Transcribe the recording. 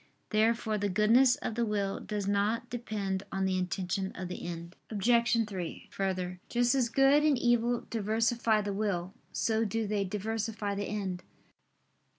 Therefore the goodness of the will does not depend on the intention of the end. Obj. 3: Further, just as good and evil diversify the will, so do they diversify the end.